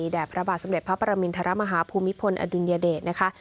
แด่พระบาทสำเร็จพระปรมินทรมาฮาภูมิพลอดุลยเดชนะคะ